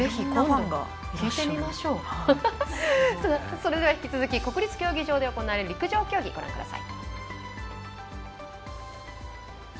それでは引き続き国立競技場で行われている陸上競技、ご覧ください。